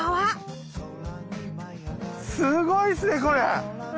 すごいっすねこれ！